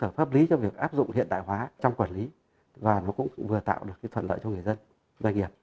cơ sở pháp lý cho việc áp dụng hiện đại hóa trong quản lý và nó cũng vừa tạo được thuận lợi cho người dân doanh nghiệp